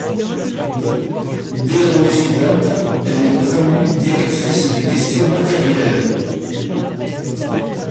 Dès l'année suivante, elle est promue directrice des Questions matérielles.